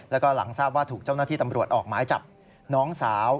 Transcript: แล้วก็หลังทราบว่าถูกเจ้าหน้าที่ตำรวจออกหมายจับน้องสาว